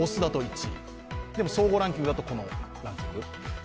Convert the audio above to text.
でも、総合ランキングだと、このランク。